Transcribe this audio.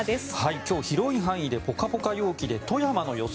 今日、広い範囲でポカポカ陽気で富山の予想